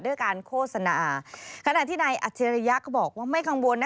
ด้วยการโฆษณาขณะที่นายอัจฉริยะก็บอกว่าไม่กังวลนะ